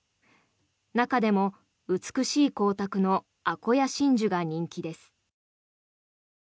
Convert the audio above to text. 中でも美しい光沢のアコヤ真珠が人気です。